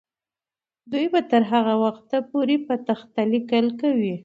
دوی به تر هغه وخته پورې په تخته لیکل کوي.